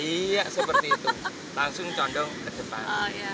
iya seperti itu langsung condong ke depan